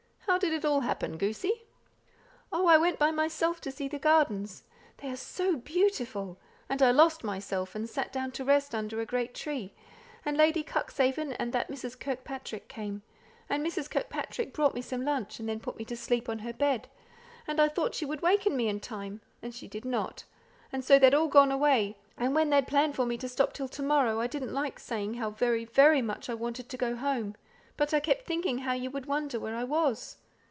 How did it all happen, goosey?" "Oh, I went by myself to see the gardens; they are so beautiful! and I lost myself, and sat down to rest under a great tree; and Lady Cuxhaven and that Mrs. Kirkpatrick came; and Mrs. Kirkpatrick brought me some lunch, and then put me to sleep on her bed, and I thought she would waken me in time, and she didn't; and so they'd all gone away; and when they planned for me to stop till to morrow, I didn't like saying how very, very much I wanted to go home, but I kept thinking how you would wonder where I was."